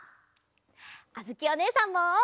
あづきおねえさんも！